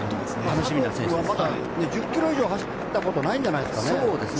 佐藤君はまだ１０ｋｍ以上を走ったことはないんじゃないですか。